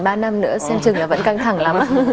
vâng còn ba năm nữa xem chừng là vẫn căng thẳng lắm